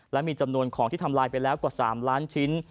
และมีจำนวนของที่ทำลายไปแล้วกว่า๓ล้านชิ้น